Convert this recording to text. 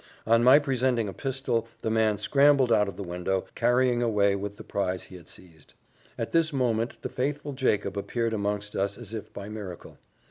On my presenting a pistol, the man scrambled out of the window, carrying away with him the prize he had seized. At this moment the faithful Jacob appeared amongst us as if by miracle.